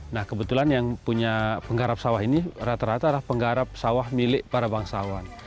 nah kebetulan yang punya penggarap sawah ini rata rata adalah penggarap sawah milik para bangsawan